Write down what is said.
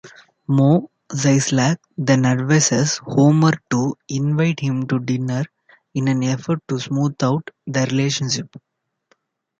Moe Szyslak then advises Homer to invite him to dinner in an effort to smooth out their relationship.